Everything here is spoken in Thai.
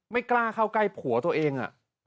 ไม่กล้าเข้าใกล้ผัวตัวเอง